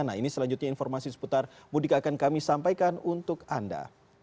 nah ini selanjutnya informasi seputar mudik akan kami sampaikan untuk anda